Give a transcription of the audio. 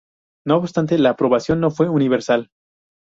No obstante, la aprobación no fue universal.